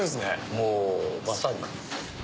もうまさに。